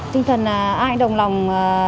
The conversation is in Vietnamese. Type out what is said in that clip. tinh thần ai đồng lòng